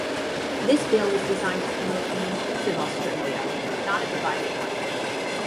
This bill is designed to promote an inclusive Australia, not a divided one.